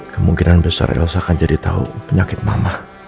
kemungkinan besar elsa akan jadi tahu penyakit mama